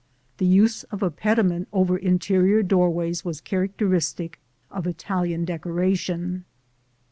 The use of a pediment over interior doorways was characteristic of Italian decoration.